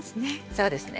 そうですね。